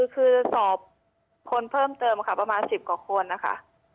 คือสอบคนเพิ่มเติมค่ะประมาณ๑๐กว่าคนนะคะ